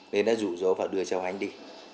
nên đã rủ rỗ vào đưa cháu ánh đi